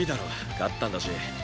勝ったんだしもう。